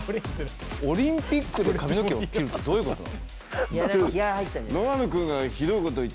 オリンピックで髪の毛を切るってどういうことなの？